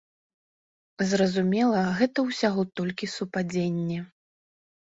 Зразумела, гэта ўсяго толькі супадзенне.